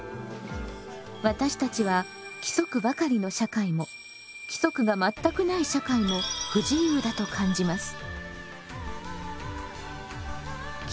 私たちは規則ばかりの社会も規則が全くない社会も不自由だと感じます。